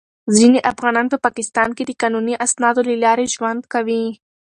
ځینې افغانان په پاکستان کې د قانوني اسنادو له لارې ژوند کوي.